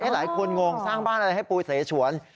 หลายคนงงสร้างบ้านอะไรให้ปูเสฉวน